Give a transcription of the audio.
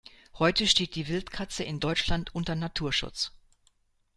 Heute steht die Wildkatze in Deutschland unter Naturschutz.